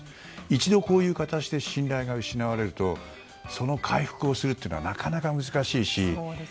一度こういう形で信頼が失われるとその回復をするのはなかなか難しいし。